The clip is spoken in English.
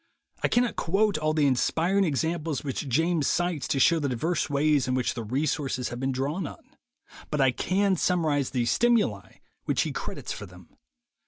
I cannot quote all the inspiring examples which James cites to show the diverse ways in which the resources have been drawn on, but I can summarize the "stimuli" which he credits for them.